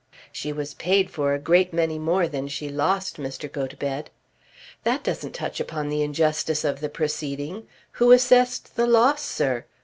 "She was paid for a great many more than she lost, Mr. Gotobed." "That doesn't touch upon the injustice of the proceeding. Who assessed the loss, sir?